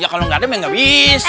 ya kalau gak ada makanya gak bisa